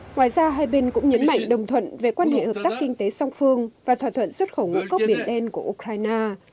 ngoài ra hai bên cũng nhấn mạnh đồng thuận về quan hệ hợp tác kinh tế song phương và thỏa thuận xuất khẩu ngũ cốc biển đen của ukraine